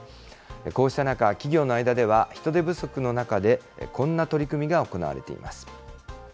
こうした中、企業の間では、人手不足の中で、こんな取り組みが行われています。